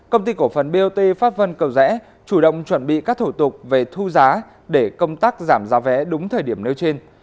công ty cổ phần bot pháp vân cầu rẽ chủ động chuẩn bị các thủ tục về thu giá để công tác giảm giá vé đúng thời điểm nêu trên